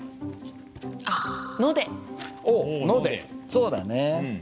そうだね。